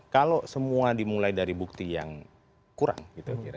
kalau seorang perusahaan yang sudah berusaha untuk membuat hukuman itu bagaimana